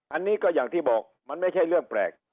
อันนี้ก็อย่างที่บอกมันไม่ใช่เรื่องแปลก